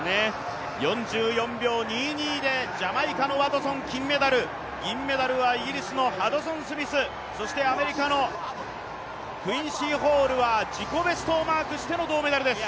４４秒２２でジャマイカのワトソン金メダル、銀メダルはイギリスのハドソンスミス、そしてアメリカのクインシー・ホールは自己ベストをマークしての銅メダルです。